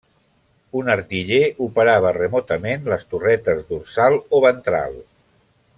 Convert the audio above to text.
Un artiller operava remotament les torretes dorsal o ventral.